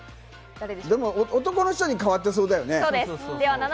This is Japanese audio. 男の人に変わってそうだよね。